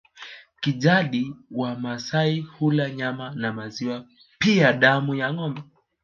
Kijadi Wamasai hula nyama na maziwa pia damu ya ngombe